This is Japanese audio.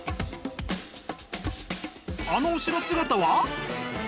あの後ろ姿は？